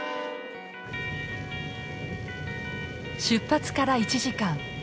出発から１時間。